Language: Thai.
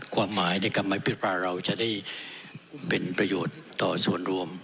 ความหมายในกรรมไม้พิษปลาเราจะได้เป็นประโยชน์ต่อส่วนรวม